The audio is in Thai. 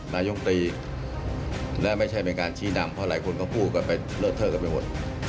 นายมตรีและไม่ใช่เป็นการชี้นำเพราะหลายคนก็พูดกันไปเลอะเทอะกันไปหมด